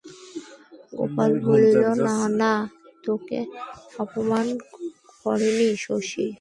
গোপাল বলিল, না, না, তোকে অপমান করেনি শশী।